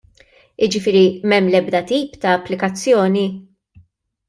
Jiġifieri m'hemm l-ebda tip ta' applikazzjoni?